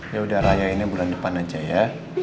ya udah raya ini bulan depan aja ya